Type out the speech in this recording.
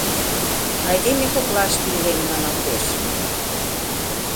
Айдеме коклаште илем, маналтеш!..